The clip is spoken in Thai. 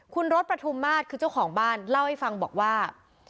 คุณรถประทุมมาตรคือเจ้าของบ้านเล่าให้ฟังบอกว่า